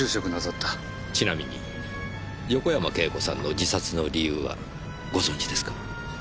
ちなみに横山慶子さんの自殺の理由はご存じですか？